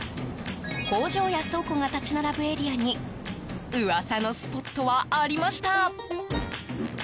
工場や倉庫が立ち並ぶエリアに噂のスポットはありました。